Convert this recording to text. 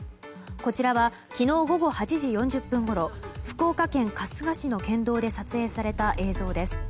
こちらは昨日午後８時４０分ごろ福岡県春日市の県道で撮影された映像です。